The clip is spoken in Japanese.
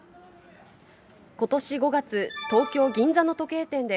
ことし５月、東京・銀座の時計店で、